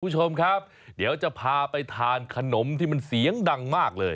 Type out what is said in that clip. คุณผู้ชมครับเดี๋ยวจะพาไปทานขนมที่มันเสียงดังมากเลย